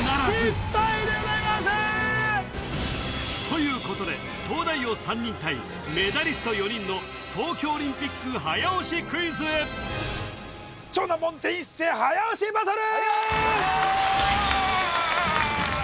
失敗でございますー！ということで東大王３人対メダリスト４人の東京オリンピック早押しクイズ超難問全員一斉早押しバトル！